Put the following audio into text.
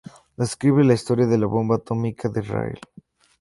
Describe la historia de la bomba atómica de Israel.